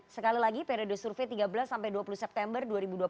sekali lagi periode survei tiga belas sampai dua puluh september dua ribu dua puluh tiga